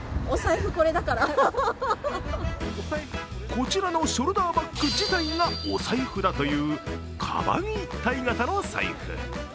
こちらのショルダーバッグ自体がお財布だというかばん一体型の財布。